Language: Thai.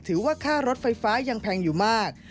ถือว่าค่ารถไฟฟ้ายังแพงอยู่มาก